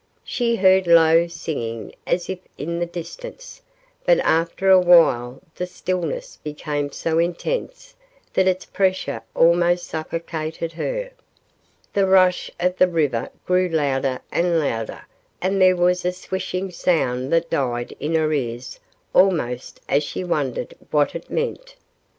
She heard low singing as if in the distance, but after a while the stillness became so intense that its pressure almost suffocated her. The rush of the river grew louder and louder and there was a swishing sound that died in her ears almost as she wondered what it meant.